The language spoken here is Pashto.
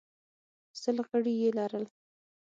سل غړي یې لرل